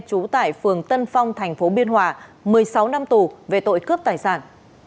trú tại phường tân phong thành phố biên hòa một mươi sáu năm tù về tội cướp tài sản